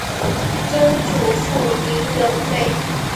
曾祖父林仁美。